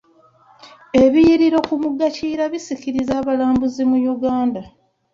Ebiyiriro ku mugga kiyira bisikiriza abalambuzi mu Uganda.